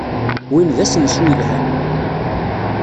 Win d asensu yelhan.